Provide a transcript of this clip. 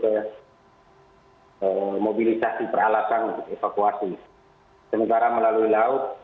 hai mobilisasi peralatan evakuasi sementara melalui laut